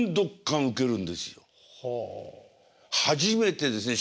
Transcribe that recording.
初めてですね。